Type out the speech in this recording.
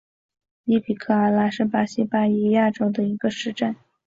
伊比科阿拉是巴西巴伊亚州的一个市镇。